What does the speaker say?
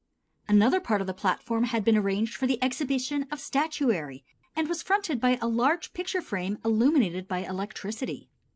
Another part of the platform had been arranged for the exhibition of statuary and was fronted by a large picture frame illuminated by electricity.